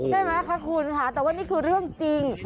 ใช่ไหมคะคุณค่ะแต่ว่านี่คือเรื่องจริง